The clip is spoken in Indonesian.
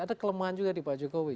ada kelemahan juga di pak jokowi